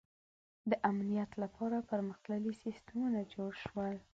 • د امنیت لپاره پرمختللي سیستمونه جوړ شول.